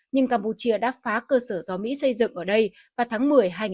nhưng campuchia đã phá cơ sở do mỹ xây dựng ở đây vào tháng một mươi hai nghìn hai mươi